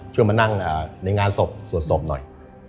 มานั่งในงานศพสวดศพหน่อย